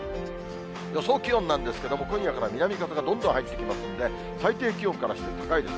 予想気温なんですけれども、今夜から南風がどんどん入ってきますんで、最低気温からして高いです。